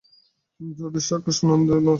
যদেষ আকাশ আনন্দো ন স্যাৎ।